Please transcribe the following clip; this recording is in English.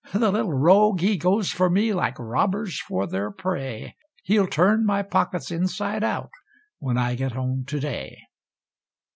The little rogue! he goes for me, like robbers for their prey; He'll turn my pockets inside out, when I get home to day.